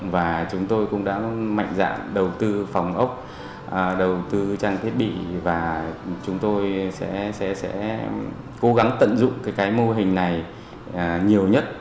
và chúng tôi cũng đã mạnh dạng đầu tư phòng ốc đầu tư trang thiết bị và chúng tôi sẽ cố gắng tận dụng cái mô hình này nhiều nhất